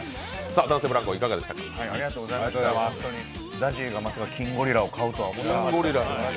ＺＡＺＹがまさか金ゴリラを買うとは思いませんでした。